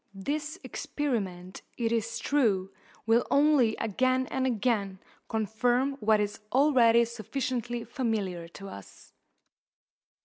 This experiment, it is true, will only again and again confirm what is already sufficiently familiar to us.